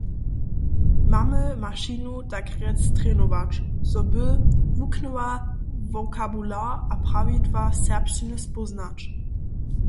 Mamy mašinu takrjec trenować, zo by wuknyła wokabular a prawidła serbšćiny spóznać.